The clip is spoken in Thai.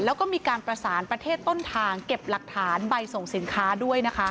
แล้วก็มีการประสานประเทศต้นทางเก็บหลักฐานใบส่งสินค้าด้วยนะคะ